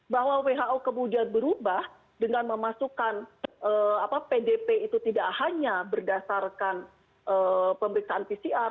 bahwa who kemudian berubah dengan memasukkan pdp itu tidak hanya berdasarkan pemeriksaan pcr